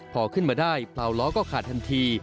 พอขึ้นมาได้พลาวล้อก็ขาดทันที